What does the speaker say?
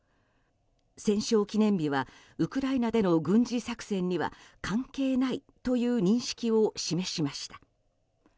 戦勝記念日はウクライナでの軍事作戦には関係ないという認識を示しました。